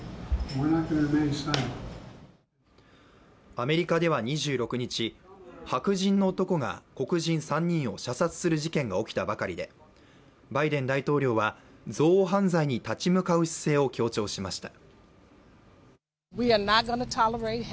アメリカでは２６日、白人の男が黒人３人を射殺する事件が起きたばかりで、バイデン大統領は憎悪犯罪に立ち向かう姿勢を強調しました。